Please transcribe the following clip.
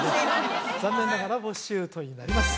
残念ながらボッシュートになります